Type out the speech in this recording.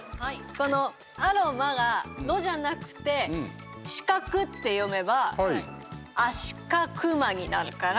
この「アロマ」が「ロ」じゃなくて「シカク」って読めば「アシカクマ」になるから。